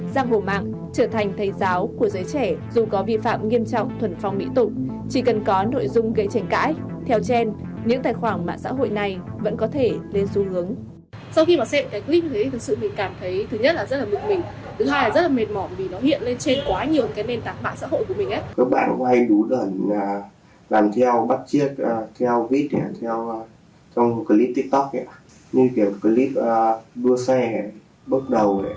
các bạn có hay đú đẩn làm theo bắt chiếc theo viết theo clip tiktok như kiểu clip đua xe bước đầu